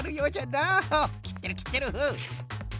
きってるきってる。